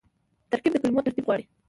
ترکیب د کلمو ترتیب غواړي.